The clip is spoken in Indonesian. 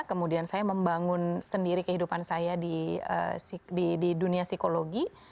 kemudian saya membangun sendiri kehidupan saya di dunia psikologi